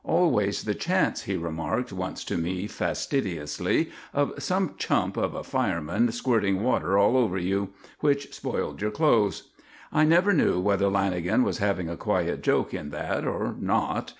Always the chance, he remarked once to me fastidiously, of some chump of a fireman squirting water all over you, which spoiled your clothes. I never knew whether Lanagan was having a quiet joke in that or not.